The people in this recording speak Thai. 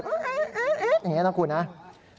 เอ๊ะเอ๊ะเอ๊ะเอ๊ะอย่างนี้นะครับ